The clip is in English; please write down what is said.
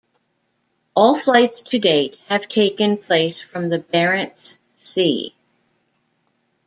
All flights to date have taken place from the Barents Sea.